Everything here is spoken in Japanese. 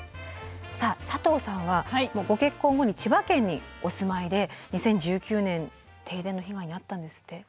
さあ佐藤さんはご結婚後に千葉県にお住まいで２０１９年停電の被害に遭ったんですって？